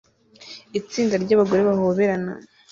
Itsinda ry'abagore bahoberana